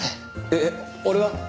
えっ俺は？